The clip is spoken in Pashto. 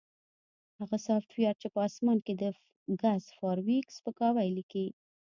هغه سافټویر چې په اسمان کې د ګس فارویک سپکاوی لیکي